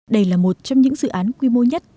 đây là một trong những dự án quy mô nhất